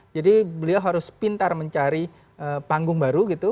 jadi beliau harus pintar mencari panggung baru gitu